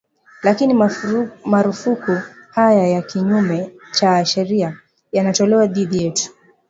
lakini marufuku haya ya kinyume cha sharia yanatolewa dhidi yetu